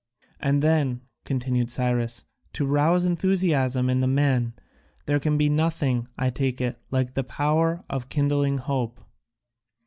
"And then," continued Cyrus, "to rouse enthusiasm in the men, there can be nothing, I take it, like the power of kindling hope?"